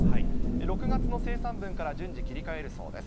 ６月の生産分から順次切り替えるそうです。